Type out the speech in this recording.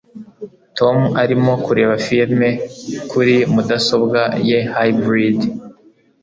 Tom arimo kureba firime kuri mudasobwa ye Hybrid